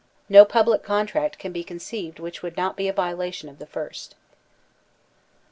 No public contract can be conceived which would not be a viola tion of the first.